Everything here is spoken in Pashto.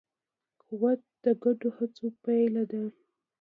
قوت د ګډو هڅو پایله ده.